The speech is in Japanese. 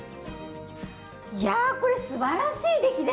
いやこれすばらしい出来ですね。